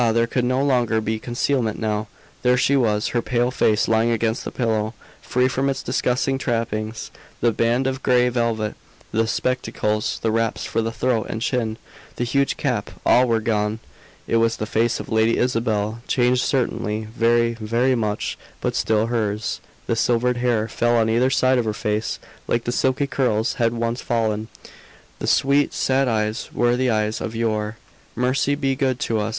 there could no longer be concealment now! There she was, her pale face lying against the pillow, free from its disguising trappings. The band of gray velvet, the spectacles, the wraps for the throat and chin, the huge cap, all were gone. It was the face of Lady Isabel; changed, certainly, very, very much; but still hers. The silvered hair fell on either side of her face, like the silky curls had once fallen; the sweet, sad eyes were the eyes of yore. "Mercy be good to us!"